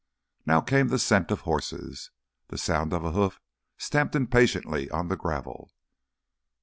Now came the scent of horses, the sound of a hoof stamped impatiently on gravel.